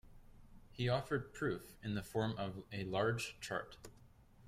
He offered proof in the form of a large chart.